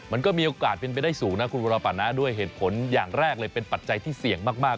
มันก็มีโอกาสเป็นไปได้สูงนะคุณวรปัตนะด้วยเหตุผลอย่างแรกเลยเป็นปัจจัยที่เสี่ยงมาก